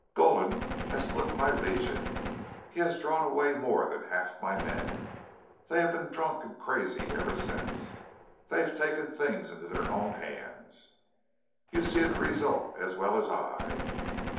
"Gulden has split my Legion. He has drawn away more than half my men. They have been drunk and crazy ever since. They've taken things into their own hands. You see the result as well as I.